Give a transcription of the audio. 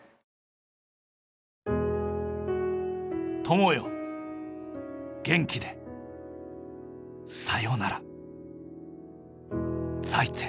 「友よ元気でさようなら再見」